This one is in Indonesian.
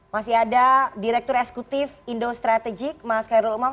masih ada direktur esekutif indo strategic mas kairul umang